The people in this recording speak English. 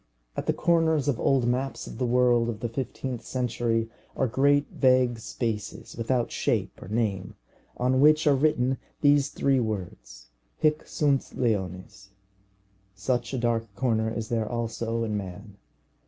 At the corners of old maps of the world of the fifteenth century are great vague spaces without shape or name, on which are written these three words, Hic sunt leones. Such a dark corner is there also in man.